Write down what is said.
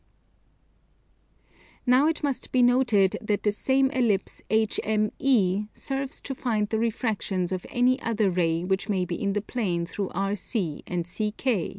Now it must be noted that the same ellipse HME serves to find the refractions of any other ray which may be in the plane through RC and CK.